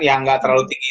yang nggak terlalu tinggi